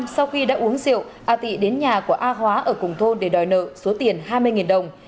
sau khi đã uống rượu a tị đến nhà của a hóa ở cùng thôn để đòi nợ số tiền hai mươi đồng